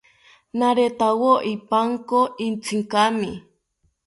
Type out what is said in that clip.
Naretawo ipanko itzinkami